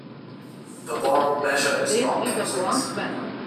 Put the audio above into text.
The Borel measure is not complete.